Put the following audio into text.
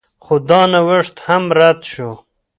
خو دا نوښت هم رد شو